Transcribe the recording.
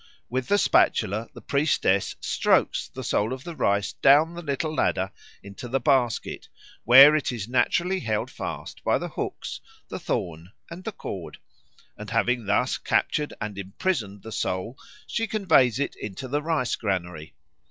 With the spatula the priestess strokes the soul of the rice down the little ladder into the basket, where it is naturally held fast by the hooks, the thorn, and the cord; and having thus captured and imprisoned the soul she conveys it into the rice granary.